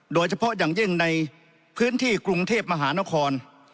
โดยเฉพาะอย่างยิ่งในพื้นที่กรุงเทพมหานคร